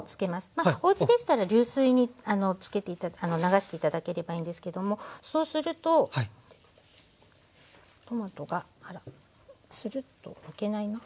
おうちでしたら流水に流して頂ければいいんですけどもそうするとトマトがあらツルッとむけないな。